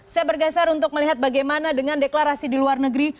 saya bergeser untuk melihat bagaimana dengan deklarasi di luar negeri